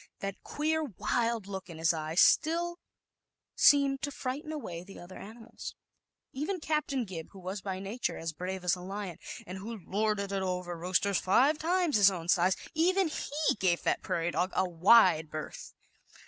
That queer, wild look in its eyes still seemed to frighten away the other animals. Even Captain Gib, who was, by nature, as brave as a lion, and who lorded it over roosters five times his own size even he gave that prairie dog a wide berth.